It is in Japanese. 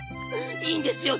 いいんですよ